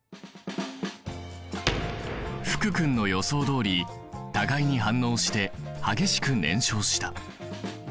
福君の予想通り互いに反応して激しく燃焼した。